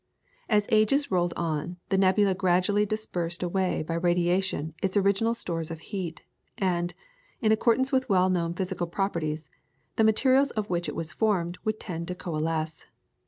As ages rolled on, the nebula gradually dispersed away by radiation its original stores of heat, and, in accordance with well known physical principles, the materials of which it was formed would tend to coalesce.